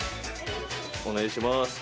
お願いします